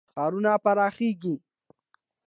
ښارونه پراخیږي.